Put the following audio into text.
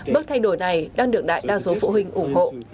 bước thay đổi này đang được đại đa số phụ huynh ủng hộ